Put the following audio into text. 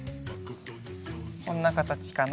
こんなかたちかな。